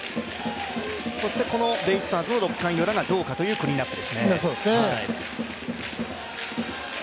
そしてこのベイスターズの６回ウラがどうかというクリーンアップですね。